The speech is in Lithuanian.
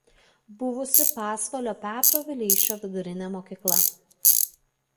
Buvusi Pasvalio Petro Vileišio vidurinė mokykla.